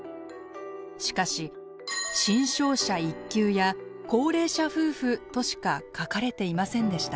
しかし「身障者１級」や「高齢者夫婦」としか書かれていませんでした。